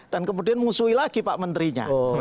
dan kemudian musuhi lagi pak menterinya